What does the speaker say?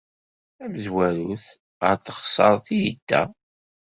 Tamezwarut, ɣer teɣsert ay yedda.